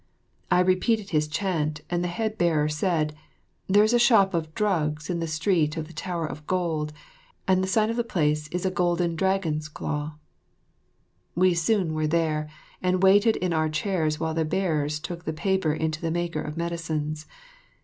I repeated his chant, and the head bearer said, "There is a shop of drugs in the street of the Tower of Gold, and the sign of the place is a Golden Dragon's Claw." We soon were there, and waited in our chairs while the bearer took the paper into the maker of medicines.